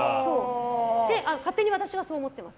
勝手に私はそう思ってます。